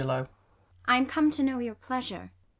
I am come to know your pleasure.